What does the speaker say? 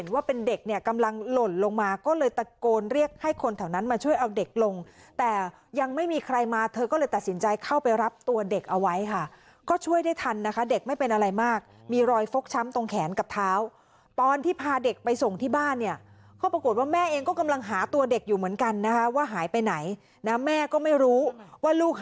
ว่าเป็นเด็กเนี่ยกำลังหล่นลงมาก็เลยตะโกนเรียกให้คนแถวนั้นมาช่วยเอาเด็กลงแต่ยังไม่มีใครมาเธอก็เลยตัดสินใจเข้าไปรับตัวเด็กเอาไว้ค่ะก็ช่วยได้ทันนะคะเด็กไม่เป็นอะไรมากมีรอยฟกช้ำตรงแขนกับเท้าตอนที่พาเด็กไปส่งที่บ้านเนี่ยก็ปรากฏว่าแม่เองก็กำลังหาตัวเด็กอยู่เหมือนกันนะคะว่าหายไปไหนนะแม่ก็ไม่รู้ว่าลูกห